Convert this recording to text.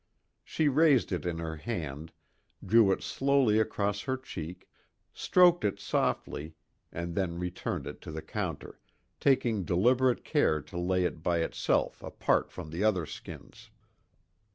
She raised it in her hand, drew it slowly across her cheek, stroked it softly, and then returned it to the counter, taking deliberate care to lay it by itself apart from the other skins.